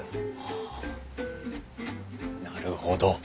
あなるほど。